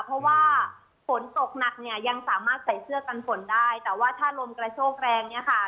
เพราะว่าฝนตกหนักเนี่ยยังสามารถใส่เสื้อกันฝนได้แต่ว่าถ้าลมกระโชกแรงเนี่ยค่ะ